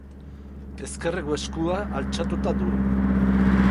Ezkerreko eskua altxatuta du.